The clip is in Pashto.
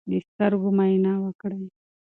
د سترګو معاینه وکړئ.